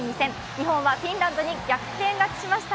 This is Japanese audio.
日本はフィンランドに逆転勝ちしました。